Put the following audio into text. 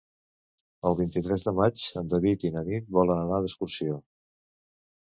El vint-i-tres de maig en David i na Nit volen anar d'excursió.